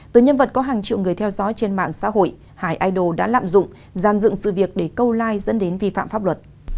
từ nhân vật có hàng triệu người theo dõi trên mạng xã hội hải idol đã lạm dụng gian dựng sự việc để câu like dẫn đến vi phạm pháp luật